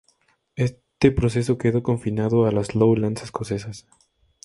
Este proceso quedó confinado a las Lowlands escocesas.